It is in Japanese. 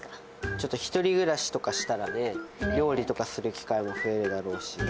ちょっと１人暮らしとかしたらね、料理とかする機会も増えるだろうし。